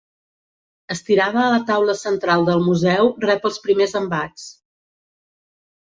Estirada a la taula central del museu rep els primers embats.